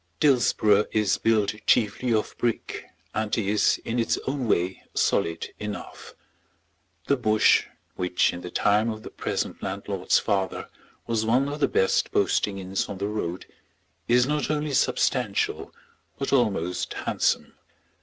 Dillsborough is built chiefly of brick, and is, in its own way, solid enough. The Bush, which in the time of the present landlord's father was one of the best posting inns on the road, is not only substantial, but almost handsome.